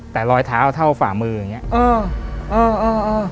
แต่รอยเท้าเท่าฝ่ามืออย่างนี้